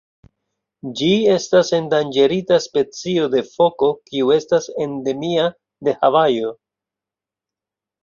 Ĝi estas endanĝerita specio de foko kiu estas endemia de Havajo.